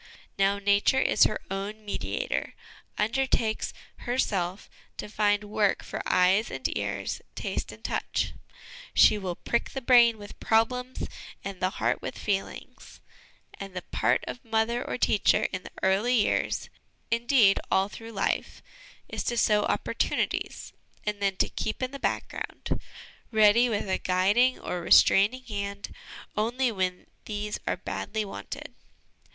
Now, Nature is her own mediator, undertakes, herself, to find work for eyes and ears, taste and touch; she will prick the brain with problems and the heart with feelings ; and the LESSONS AS INSTRUMENTS OF EDUCATION 193 part of mother or teacher in the early years (indeed, all through life) is to sow opportunities, and then to keep in the background, ready with a guiding or restraining hand only when these are badly wanted.